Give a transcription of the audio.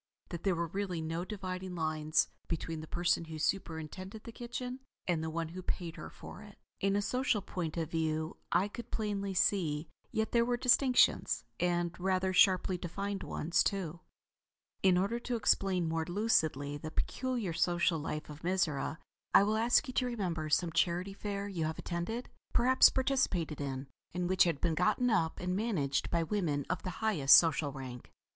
That there were really no dividing lines between the person who superintended the kitchen and the one who paid her for it, in a social point of view, I could plainly see; yet there were distinctions; and rather sharply defined ones too. In order to explain more lucidly the peculiar social life of Mizora, I will ask you to remember some Charity Fair you have attended, perhaps participated in, and which had been gotten up and managed by women of the highest social rank.